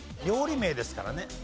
料理名ですからね。